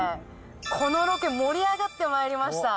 このロケ盛り上がってまいりました。